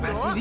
apaan sih di